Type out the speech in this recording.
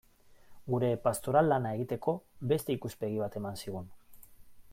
Gure pastoral lana egiteko beste ikuspegi bat eman zigun.